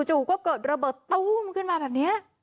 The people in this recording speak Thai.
จู่ก็เกิดระเบิดตู้มขึ้นมาแบบนี้